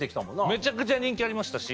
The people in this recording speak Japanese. めちゃくちゃ人気ありましたし